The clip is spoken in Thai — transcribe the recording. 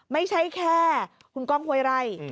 ไม่ใช่แค่คุณก้องห้วยไร่